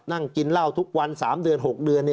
นั่งกินเหล้าทุกวัน๓เดือน๖เดือน